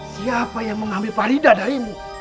siapa yang mengambil parida darimu